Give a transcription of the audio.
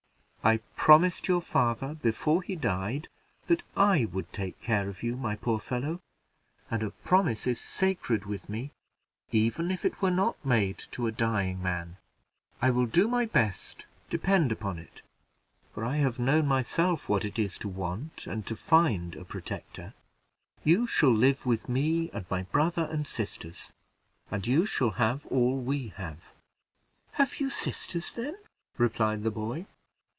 "I promised your father, before he died, that I would take care of you, my poor fellow; and a promise is sacred with me, even if it were not made to a dying man. I will do my best, depend upon it, for I have known myself what it is to want and to find a protector. You shall live with me and my brother and sisters, and you shall have all we have." "Have you sisters, then?" replied the boy.